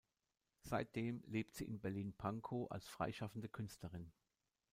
Seitdem lebt sie in Berlin-Pankow als freischaffende Künstlerin.